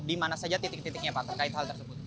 di mana saja titik titiknya pak terkait hal tersebut